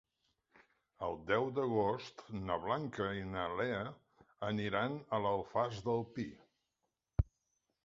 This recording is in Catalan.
El deu d'agost na Blanca i na Lea aniran a l'Alfàs del Pi.